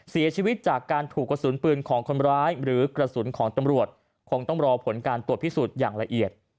เสียชีวิตจากการถูกกระสุนปืนของคนร้ายหรือกระสุนของตำรวจคงต้องรอผลการตรวจพิสูจน์อย่างละเอียด